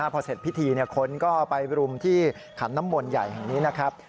พอเสร็จพิธีคนก็ไปรุมที่ขันน้ำมนต์ใหญ่แห่งนี้นะครับ